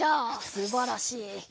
すばらしい。